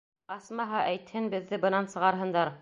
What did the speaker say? Асмаһа, әйтһен, беҙҙе бынан сығарһындар!